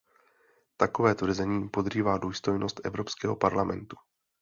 Takové tvrzení podrývá důstojnost Evropského parlamentu.